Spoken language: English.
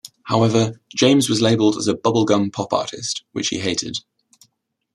However, James was labeled as a bubblegum pop artist, which he hated.